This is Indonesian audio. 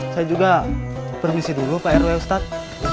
siap kalau begitu saya permisi dulu pak rw ustadz